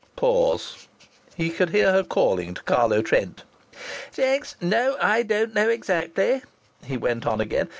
Pause. He could hear her calling to Carlo Trent. "Thanks. No, I don't know exactly," he went on again.